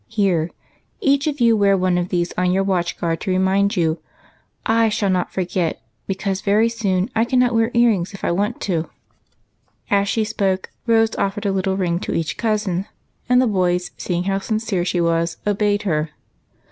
Here, each of you wear one of these on your watch guard to remind you. I shall not forget, because very soon I cannot wear ear rings if I want to." As she spoke. Rose offered a little ring to each cousin, and the boys, seeing how sincere she was, obeyed her.